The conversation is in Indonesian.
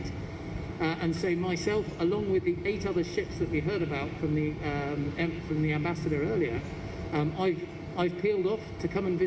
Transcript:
jadi saya bersama dengan delapan kapal lain yang kita dengar dari ambasador sebelumnya